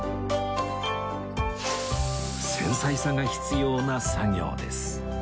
繊細さが必要な作業です